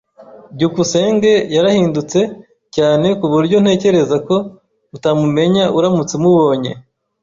byukusenge yarahindutse cyane kuburyo ntekereza ko utamumenya uramutse umubonye.